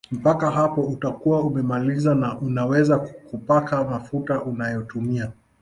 Mpaka hapo utakuwa umemaliza na unaweza kupaka mafuta unayotumia